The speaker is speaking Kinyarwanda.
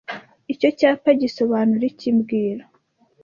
Icyo cyapa gisobanura iki mbwira